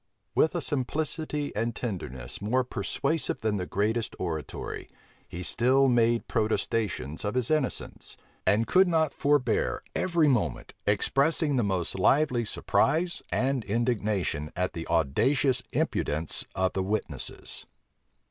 With a simplicity and tenderness more persuasive than the greatest oratory, he still made protestations of his innocence; and could not forbear, every moment, expressing the most lively surprise and indignation at the audacious impudence of the witnesses.